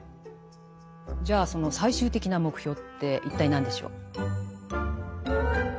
じゃあその最終的な目標って一体何でしょう？